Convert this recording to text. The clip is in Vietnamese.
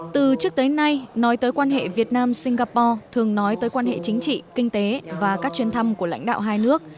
từ trước tới nay nói tới quan hệ việt nam singapore thường nói tới quan hệ chính trị kinh tế và các chuyến thăm của lãnh đạo hai nước